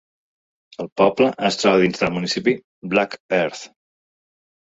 El poble es troba dins del municipi de Black Earth.